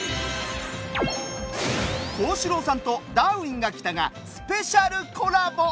皓志郎さんと「ダーウィンが来た！」がスペシャルコラボ。